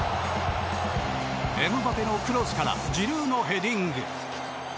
エムバペのクロスからジルーのヘディング。